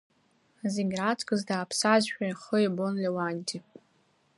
Зегь раҵкыс дааԥсазшәа ихы ибон Леуанти.